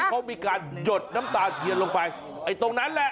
เขามีการหยดน้ำตาเทียนลงไปไอ้ตรงนั้นแหละ